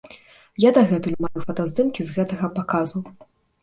Я дагэтуль маю фотаздымкі з гэтага паказу.